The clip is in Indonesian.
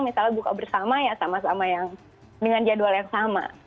misalnya buka bersama ya sama sama yang dengan jadwal yang sama